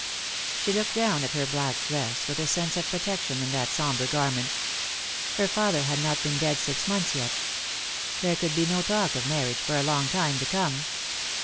She looked down at her black dress, with a sense of protection in that sombre garment. Her father had not been dead six months yet. There could be no talk of marriage for a long time to come.